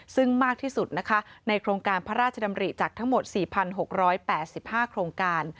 ซึ่งมากที่สุดนะคะในโครงการพระราชดำริจากทั้งหมด๔๖๘๕โครงการ